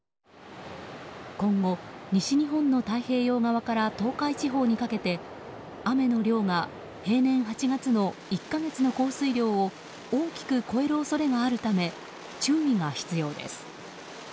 今後、西日本の太平洋側から東海地方にかけて雨の量が平年８月の１か月の降水量を大きく超える恐れがあるため注意が必要です。